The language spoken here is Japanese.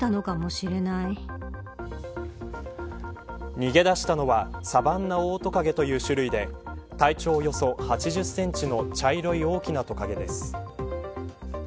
逃げ出したのはサバンナオオトカゲという種類で体長およそ８０センチの茶色い大きなトカゲです。